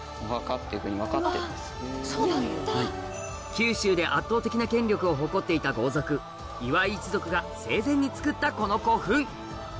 九州で圧倒的な権力を誇っていた豪族磐井一族が生前に作ったこの古墳